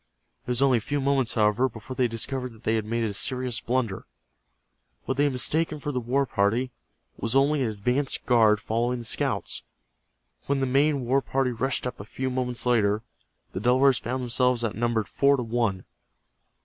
It was only a few moments, however, before they discovered that they had made a serious blunder. What they had mistaken for the war party was only an advance guard following the scouts. When the main war party rushed up a few moments later, the Delawares found themselves outnumbered by four to one.